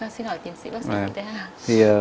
xin hỏi tiến sĩ bác sĩ thế hà